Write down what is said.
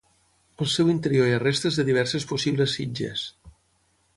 Al seu interior hi ha restes de diverses possibles sitges.